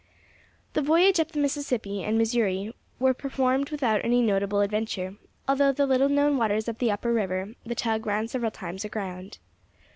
The voyage up the Mississippi and Missouri was performed without any notable adventure, although in the little known waters of the upper river the tug ran several times aground.